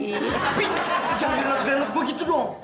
jangan drenot drenot gua gitu dong